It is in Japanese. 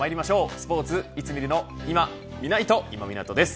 スポーツいつ見るのいまみないと、今湊です。